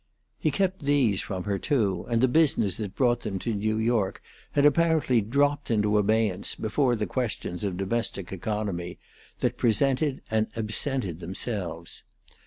He kept these from her, too, and the business that brought them to New York had apparently dropped into abeyance before the questions of domestic economy that presented and absented themselves.